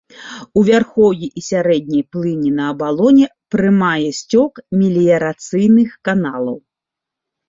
У вярхоўі і сярэдняй плыні на абалоне прымае сцёк меліярацыйных каналаў.